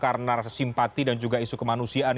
karena rasa simpati dan juga isu kemanusiaan